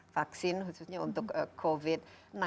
vaksin khususnya untuk covid sembilan belas